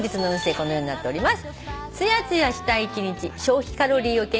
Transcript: このようになっております。